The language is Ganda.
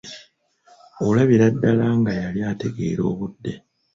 Olabira ddala nga yali ategeera obudde.